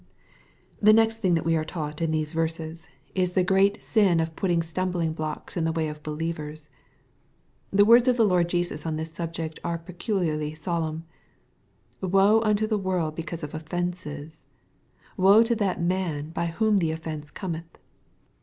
The next thing that we are taught in these verses, ii MATTHEW, CHAP. XVIII. 221 the great sin of ptiUing stumhlinghlocks in the way of believers. The words of the Lord Jesus on this subject are peculiarly solemn. "Woe unto the world because of offences 1 — Woe to that man by whom the offence Cometh."